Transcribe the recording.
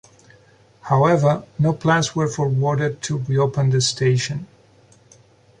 However no plans were forwarded to reopen the station.